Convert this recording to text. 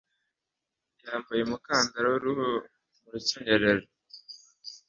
Yambaye umukandara w'uruhu mu rukenyerero.